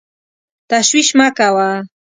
تشویش مه کوه !